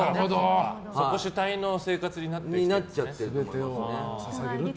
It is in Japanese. そこ主体の生活になっていく。